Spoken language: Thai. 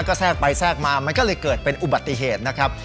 ก็แทรกไปแทรกมามันก็เลยเกิดเป็นอุบัติเหตุนะครับ